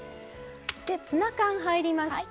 ツナ缶入りました。